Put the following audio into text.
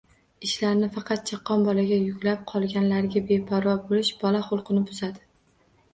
Ishlarni faqat chaqqon bolaga yuklab, qolganlariga beparvo bo‘lish bola xulqini buzadi.